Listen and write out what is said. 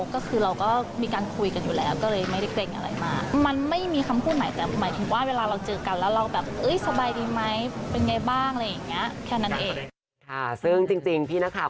ก็คือเราก็มีการคุยกันอยู่แล้ว